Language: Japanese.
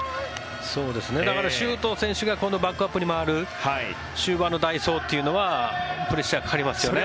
だから、周東選手が今度バックアップに回る終盤の代走というのはプレッシャーがかかりますよね。